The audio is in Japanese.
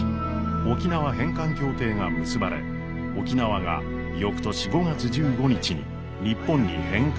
沖縄返還協定が結ばれ沖縄が翌年５月１５日に日本に返還されることが決まりました。